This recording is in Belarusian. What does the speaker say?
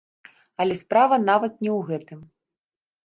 Але справа нават не ў гэтым.